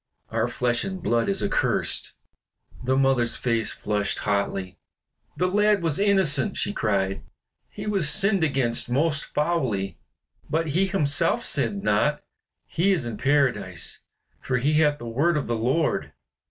Our flesh and blood is accursed." The mother's face flushed hotly. "The lad was innocent!" she cried. "He was sinned against most foully, but he himself sinned not. He is in Paradise, for he hath the word of the Lord."